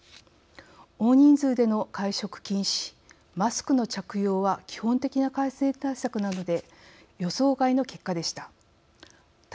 大人数での会食禁止マスクの着用は基本的な感染対策なので予想外の結果でした。